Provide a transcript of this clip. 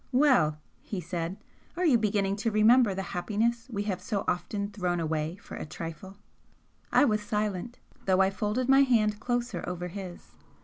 "Well!" he said "Are you beginning to remember the happiness we have so often thrown away for a trifle?" I was silent, though I folded my hand closer over his.